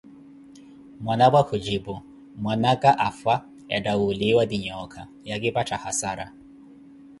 Mwanapwa kujipu: Mpwanaaka afwa, ettha olumiwa ti nhooka, ya kipattha hassara.